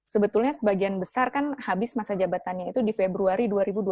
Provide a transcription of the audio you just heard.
sebetulnya sebagian besar kan habis masa jabatannya itu di februari dua ribu dua puluh